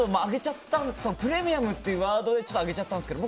プレミアムっていうワードでちょっと上げちゃったんですけど